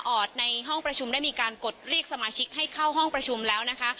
ในห้องประชุมได้มีการกดเรียกสมาชิกให้เข้าห้องประชุมแล้วนะคะ